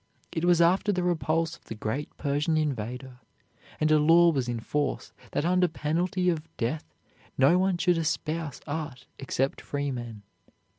It was after the repulse of the great Persian invader, and a law was in force that under penalty of death no one should espouse art except freemen.